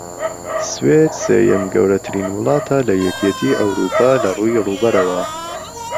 سوێد سێیەم گەورەترین وڵاتە لە یەکێتی ئەوڕوپا لەڕووی ڕووبەرەوە